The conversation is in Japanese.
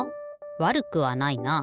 わるくはないな。